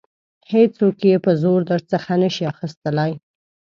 هیڅوک یې په زور درڅخه نشي اخیستلای.